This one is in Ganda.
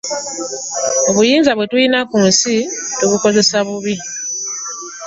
Obuyinza bwe tulina ku nsi tubukozesa bubi